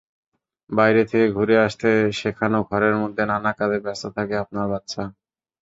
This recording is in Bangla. বাইরে থেকে ঘুরে আসতে শেখানোঘরের মধ্যে নানা কাজে ব্যস্ত থাকে আপনার বাচ্চা।